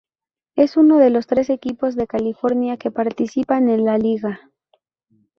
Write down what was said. Es uno de los tres equipos de California que participan en la liga.